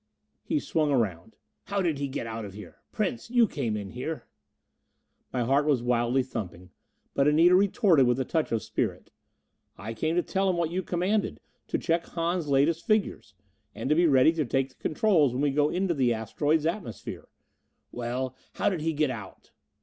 He swung around. "How did he get out of here? Prince, you came in here!" My heart was wildly thumping. But Anita retorted with a touch of spirit: "I came to tell him what you commanded. To check Hahn's latest figures and to be ready to take the controls when we go into the asteroid's atmosphere." "Well, how did he get out?"